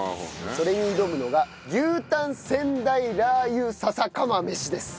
それに挑むのが牛タン仙台ラー油笹釜飯です。